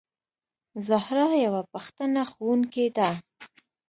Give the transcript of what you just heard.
زهرا یوه پښتنه ښوونکې ده.